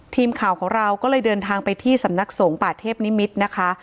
ทีมข่าวของเราก็เลยเดินทางไปที่สำนักสงฆ์ป่าเทพนิมิตรนะคะ